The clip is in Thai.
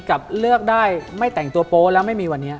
กับเลือกได้ไม่แต่งตัวโป๊แล้วไม่มีวันนี้